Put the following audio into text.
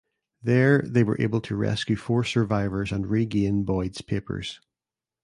There they were able to rescue four survivors and regain "Boyd"s papers.